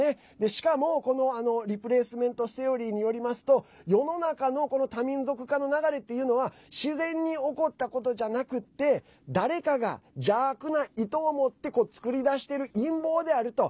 しかもリプレースメントセオリーによりますと世の中の多民族化の流れっていうのは自然に起こったことじゃなくて誰かが邪悪な意図を持って作り出している陰謀であると。